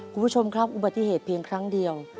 คุณผู้ชมครับอุบัติเหตุเพียงครั้งเดียว